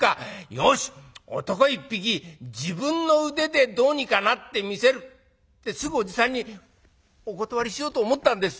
よし男一匹自分の腕でどうにかなってみせる』ってすぐおじさんにお断りしようと思ったんです。